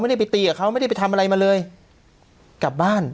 ไม่ได้ไปตีกับเขาไม่ได้ไปทำอะไรมาเลยกลับบ้าน